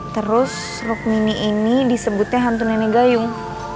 terus rokmini ini disebutnya hantu nenek gayung